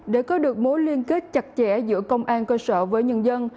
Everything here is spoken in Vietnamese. để có được mối liên kết chặt chẽ giữa công an cơ sở với nhân dân